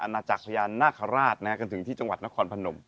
นาจักรพญานาคาราชกันถึงที่จังหวัดนครพนม